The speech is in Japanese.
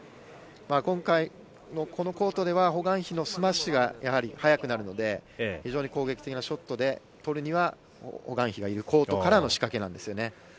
今回のこのコートではホ・グァンヒのスマッシュが速くなるので非常に攻撃的なショットで取るにはホ・グァンヒがいるコートからの仕掛けなんですよね。